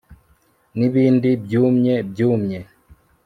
Nibindi byumye byumye